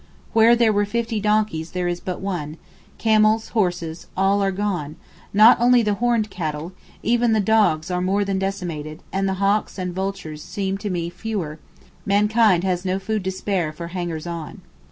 Where there were fifty donkeys there is but one; camels, horses, all are gone; not only the horned cattle, even the dogs are more than decimated, and the hawks and vultures seem to me fewer; mankind has no food to spare for hangers on.